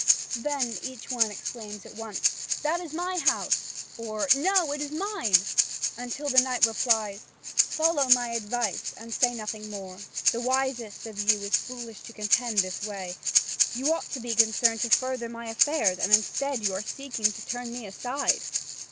Then each one exclaims at once: "That is my house, or, No, it is mine," until the knight replies: "Follow my advice and say nothing more; the wisest of you is foolish to contend this way. You ought to be concerned to further my affairs, and instead you are seeking to turn me aside.